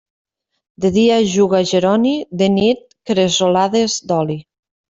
De dia juga Jeroni; de nit, cresolades d'oli.